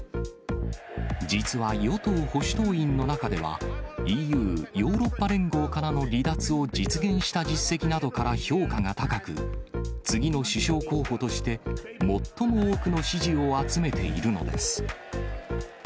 実は与党・保守党員の中では、ＥＵ・ヨーロッパ連合からの離脱を実現した実績などから評価が高く、次の首相候補として、最も多くの支持を集めているのです。